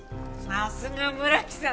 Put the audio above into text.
さすが村木さん優秀ね。